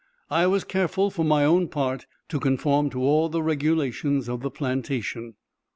I was careful, for my own part, to conform to all the regulations of the plantation.